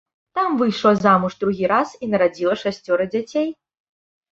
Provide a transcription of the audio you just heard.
Там выйшла замуж другі раз і нарадзіла шасцёра дзяцей.